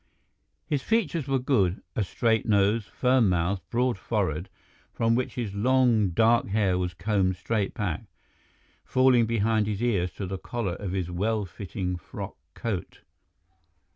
His features were good—a straight nose, firm mouth, broad forehead, from which his long, dark hair was combed straight back, falling behind his ears to the collar of his well fitting frock coat.